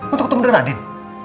untuk ketemu dengan andin